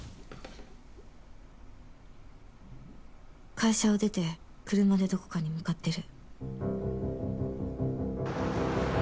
「会社を出て車でどこかに向かってる」。